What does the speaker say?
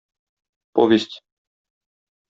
Повесть.